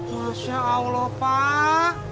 masya allah pak